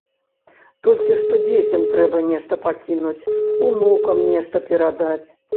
Толькі што дзецям трэба нешта пакінуць, унукам нешта перадаць!